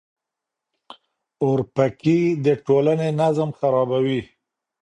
اورپکي د ټولنې نظم خرابوي.